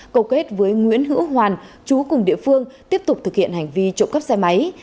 cầu kết với nguyễn hữu hoàn chú cùng địa phương tiếp tục thực hiện hành vi trộm cắp xe máy